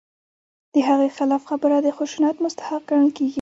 د هغې خلاف خبره د خشونت مستحق ګڼل کېږي.